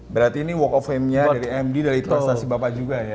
berarti ini work of fame nya dari md dari prestasi bapak juga ya